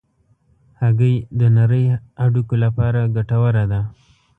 هګۍ د نرۍ هډوکو لپاره ګټوره ده.